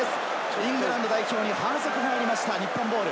イングランド代表に反則がありました日本ボール。